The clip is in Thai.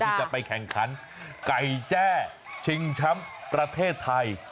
ที่จะไปแข่งขันไก่แจ้ชิงแชมป์ประเทศไทย